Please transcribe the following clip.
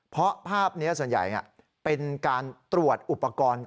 เพราะภาพนี้ส่วนใหญ่เป็นการตรวจอุปกรณ์